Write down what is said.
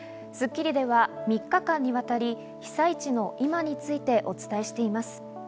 『スッキリ』では３日間にわたり被災地の今についてお伝えしています。